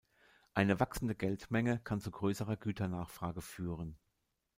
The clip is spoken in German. Eine wachsende Geldmenge kann zu größerer Güternachfrage führen.